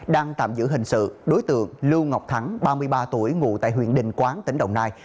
đang tạm giữ hình sự đối tượng lưu ngọc thắng ba mươi ba tuổi ngụ tại huyện đình quán tỉnh đồng nai